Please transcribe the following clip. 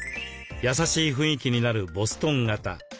やさしい雰囲気になるボストン型。